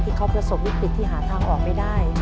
ที่เขาผสมวิกฤตที่หาทางออกไม่ได้